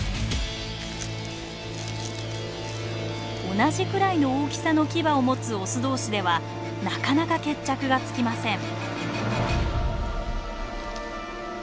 同じくらいの大きさのキバを持つオス同士ではなかなか決着がつきません。